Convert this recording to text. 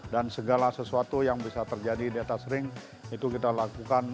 dan segala sesuatu yang bisa terjadi di atas ring itu kita lakukan